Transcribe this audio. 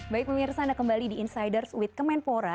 baik pemirsa anda kembali di insiders with kemenpora